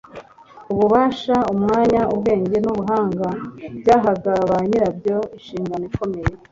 Ububasha, umwanya, ubwenge n'ubuhanga byahaga ba nyirabyo inshingano ikomeye